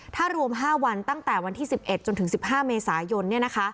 ถ้ารวม๕วันตั้งแต่วันที่๑๑จนถึง๑๕เมษายน